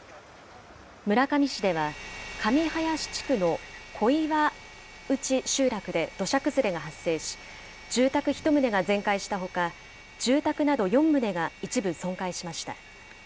村上市では、神林地区の小岩内集落で土砂崩れが発生し、住宅１棟が全壊したほか、住宅など４棟が一部損壊しました。